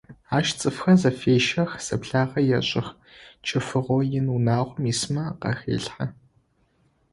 Ащ цӏыфхэр зэфещэх, зэблагъэ ешӏых: чэфыгъо ин унагъом исмэ къахелъхьэ.